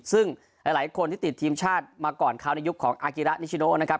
ซึ่งหลายคนที่ติดทีมชาติมาก่อนเขาในยุคของอากิระนิชโนนะครับ